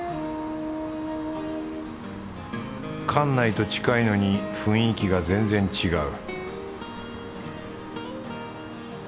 関内と近いのに雰囲気が全然違う